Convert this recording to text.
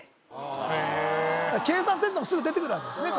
計算せずともすぐ出てくるわけですね